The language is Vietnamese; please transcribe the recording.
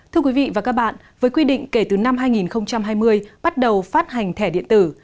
thưa quý vị và các bạn với quy định kể từ năm hai nghìn hai mươi bắt đầu phát hành thẻ điện tử